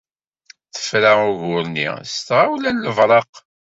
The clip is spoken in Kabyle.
Tefra ugur-nni s tɣawla n lebreq.